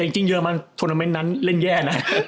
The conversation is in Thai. จงเตียวป้๊ายเยอร์มันนั่นเล่นแย่นะ